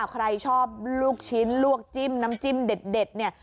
ใครชอบลูกชิ้นลวกจิ้มน้ำจิ้มเด็ดเนี่ย